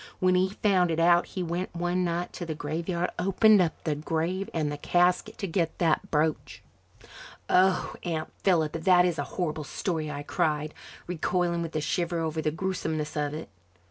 When he found it out he went one night to the graveyard and opened up the grave and the casket to get that brooch." "Oh, Aunt Philippa, that is a horrible story," I cried, recoiling with a shiver over the gruesomeness of it.